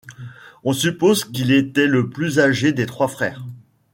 On suppose qu'il était le plus âgé des trois frères.